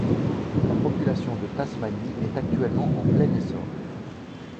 La population de Tasmanie est actuellement en plein essor.